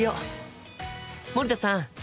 森田さん